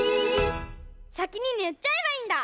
さきにぬっちゃえばいいんだ！